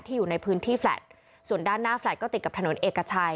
อยู่ในพื้นที่แฟลต์ส่วนด้านหน้าแฟลต์ก็ติดกับถนนเอกชัย